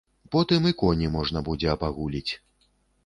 Потым і коні можна будзе абагуліць.